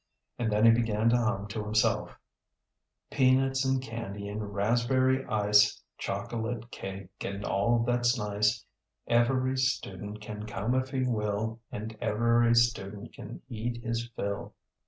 And then he began to hum to himself: "Peanuts and candy and raspberry ice, Chocolate cake, and all that's nice, Ev'ry student can come if he will, And ev'ry student can eat his fill!"